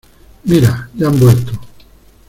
Mira, ya han vuelto.